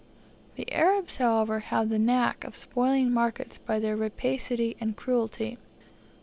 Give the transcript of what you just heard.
The Arabs, however, have the knack of spoiling markets by their rapacity and cruelty.